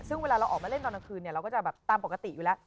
ซึ่งเวลาเราออกมาเล่นตอนกลางคืนเนี่ยเราก็จะแบบตามปกติอยู่แล้ว